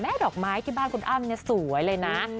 ดอกไม้ที่บ้านคุณอ้ำเนี่ยสวยเลยนะ